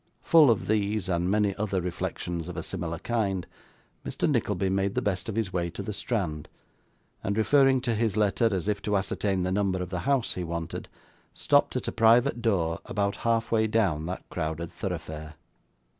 Full of these, and many other reflections of a similar kind, Mr. Nickleby made the best of his way to the Strand, and, referring to his letter as if to ascertain the number of the house he wanted, stopped at a private door about half way down that crowded thoroughfare.